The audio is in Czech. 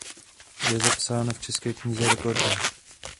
Je zapsána v České knize rekordů.